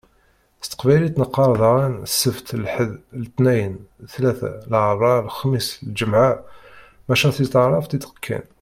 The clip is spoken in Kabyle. S teqbaylit neqqaṛ daɣen: Sebt, lḥed, letniyen, ttlata, larbɛa, lexmis, lǧemɛa. Maca si taɛrabt i d-kkan.